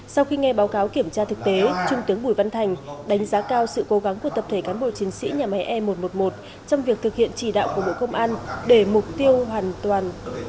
sau khi nghe báo cáo kiểm tra thực tế trung tướng bùi văn thành đánh giá cao sự cố gắng của tập thể cán bộ chiến sĩ nhà máy e một trăm một mươi một trong việc thực hiện chỉ đạo của bộ công an để mục tiêu hoàn toàn